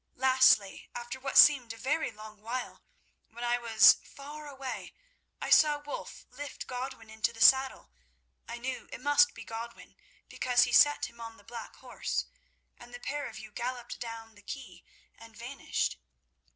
Lastly, after what seemed a very long while, when I was far away, I saw Wulf lift Godwin into the saddle—I knew it must be Godwin, because he set him on the black horse—and the pair of you galloped down the quay and vanished.